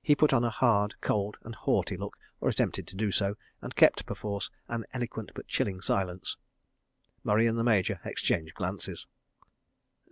He put on a hard, cold and haughty look, or attempted to do so, and kept, perforce, an eloquent but chilling silence. Murray and the Major exchanged glances.